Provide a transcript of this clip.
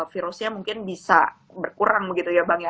virusnya mungkin bisa berkurang begitu ya bang ya